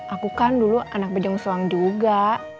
aku kan dulu anak pejang suam juga